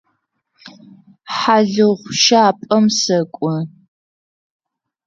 Хьалыгъущапӏэм сэкӏо.